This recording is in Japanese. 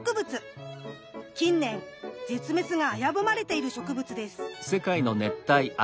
近年絶滅が危ぶまれている植物です。